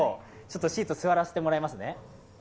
シート、座らせてもらいますね。